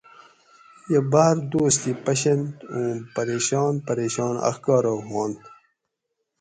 یہ باۤر دوس تھی پشینت اوں پریشان پریشان اخکارہ ہوانت